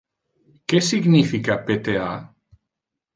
Que significa pta?